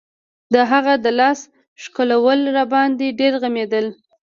د هغه د لاس ښکلول راباندې ډېر غمېدل.